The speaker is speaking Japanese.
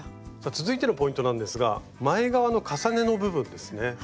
続いてのポイントなんですが前側の重ねの部分ですね。